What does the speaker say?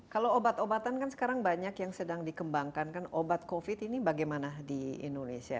kalau obat obatan kan sekarang banyak yang sedang dikembangkan kan obat covid ini bagaimana di indonesia